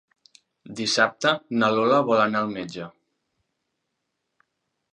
Dissabte na Lola vol anar al metge.